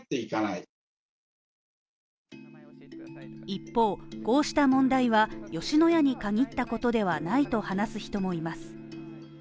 一方、こうした問題は吉野家に限ったことではないと話す人もいます。